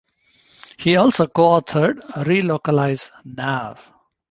He also co-authored Relocalize Now!